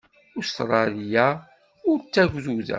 Ustṛalya ur d tagduda.